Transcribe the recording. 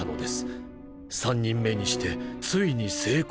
「３人目にしてついに成功した」と。